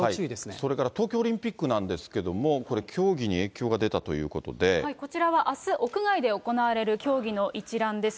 それから東京オリンピックなんですけれども、これ、競技に影こちらはあす、屋外で行われる競技の一覧です。